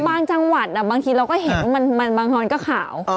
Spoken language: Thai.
บางจังหวัดอ่ะบางทีเราก็เห็นว่ามันบางฮรก็ขาว